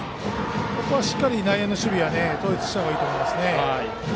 ここはしっかり内野の守備は統一した方がいいと思います。